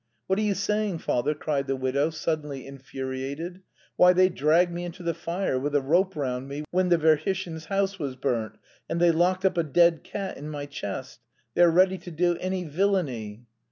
"What are you saying, father?" cried the widow, suddenly infuriated. "Why, they dragged me into the fire with a rope round me when the Verhishins' house was burnt, and they locked up a dead cat in my chest. They are ready to do any villainy...."